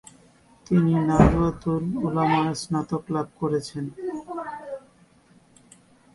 তিনি নাদওয়াতুল উলামায় স্নাতক লাভ করেন।